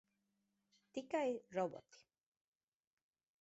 Tikai roboti.